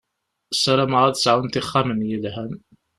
Sarameɣ ad sɛunt ixxamen yelhan.